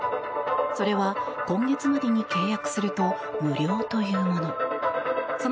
それは、今月までに契約すると無料というもの。